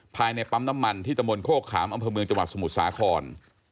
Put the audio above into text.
ภายในปั๊มน้ำมันที่ตะมนตโคกขามอำเภอเมืองจังหวัดสมุทรสาคร